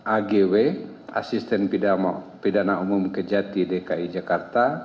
agw asisten pidana umum kejati dki jakarta